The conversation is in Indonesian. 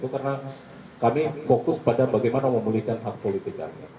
karena kami fokus pada bagaimana memulihkan hak politik kami